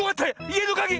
⁉いえのかぎ